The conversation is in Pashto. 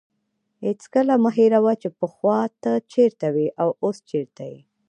هېڅکله مه هېروه چې پخوا ته چیرته وې او اوس چیرته یې.